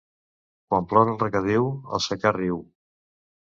Quan plora el regadiu, el secà riu.